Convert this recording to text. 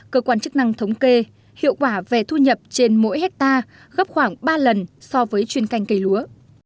cơ quan chức năng thống kê hiệu quả về thu nhập trên mỗi hectare gấp khoảng ba lần so với chuyên canh cây lúa